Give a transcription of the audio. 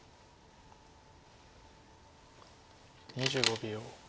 ２５秒。